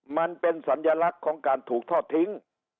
มันเป็นสัญลักษณ์ของการถูกทอดทิ้ง